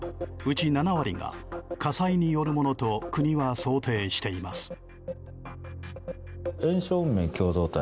うち７割が火災によるものと国は想定しています。